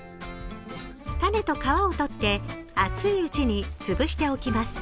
種と皮をとって熱いうちに潰しておきます。